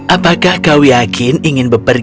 apakah kau yakin ingin berpergi